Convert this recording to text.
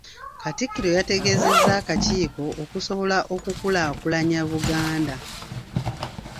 Katikkiro yategeezezza akakiiko okusobola okukulaakulanya Buganda.